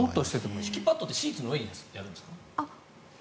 敷きパッドってシーツの上に敷くんですか？